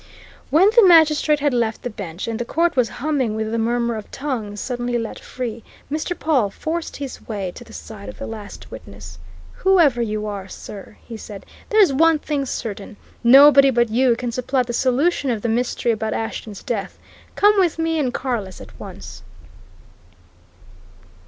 When the magistrate had left the bench, and the court was humming with the murmur of tongues suddenly let free, Mr. Pawle forced his way to the side of the last witness. "Whoever you are, sir," he said, "there's one thing certain nobody but you can supply the solution of the mystery about Ashton's death! Come with me and Carless at once."